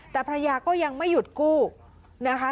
แต่ภรรยาก็ยังไม่หยุดกู้นะคะ